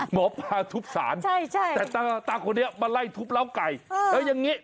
หมอปลาทุบสารแต่ตาคนนี้มาไล่ทุบเหล้าไก่แล้วอย่างนี้